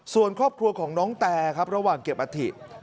ส่วนครอบครัวของน้องแตครับระหว่างเก็บอัฐิ